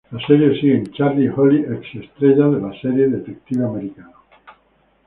Las series siguen Charlie y Holly, ex-estrellas de la serie detective americano.